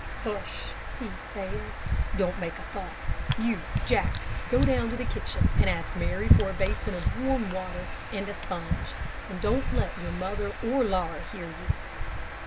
"Hush," he said. "Don't make a fuss. You, Jack, go down to the kitchen and ask Mary for a basin of warm water and a sponge, and don't let your mother or Laura hear you."